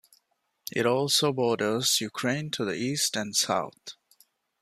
It also borders Ukraine to the east and south.